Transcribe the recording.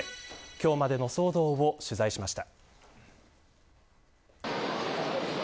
今日までの騒動を取材しました。